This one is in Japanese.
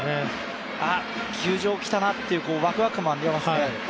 あっ、球場に来たなというワクワク感もありますよね。